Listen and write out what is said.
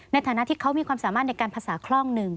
ในฐานะที่เขามีความสามารถในการภาษาคล่องหนึ่ง